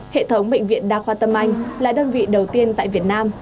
hệ thống bệnh viện đa khoa tâm anh là đơn vị đầu tiên tại việt nam